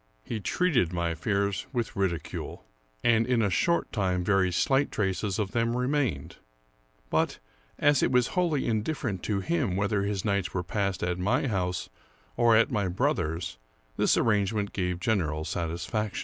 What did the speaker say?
He treated my fears with ridicule, and in a short time very slight traces of them remained; but, as it was wholly indifferent to him whether his nights were passed at my house or at my brother's, this arrangement gave general satisfaction.